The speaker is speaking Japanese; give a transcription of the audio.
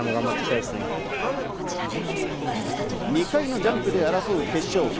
２回のジャンプで争う決勝。